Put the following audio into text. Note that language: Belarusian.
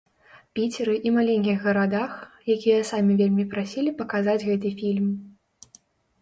Піцеры і маленькіх гарадах, якія самі вельмі прасілі паказаць гэты фільм.